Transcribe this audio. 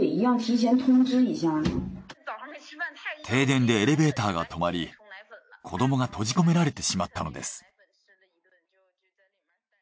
停電でエレベーターが止まり子どもが閉じ込められてしまったのです。